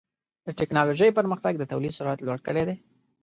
د ټکنالوجۍ پرمختګ د تولید سرعت لوړ کړی دی.